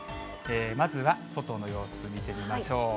まずは外の様子見てみましょう。